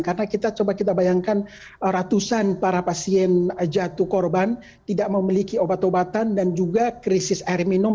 karena kita coba bayangkan ratusan para pasien jatuh korban tidak memiliki obat obatan dan juga krisis air minum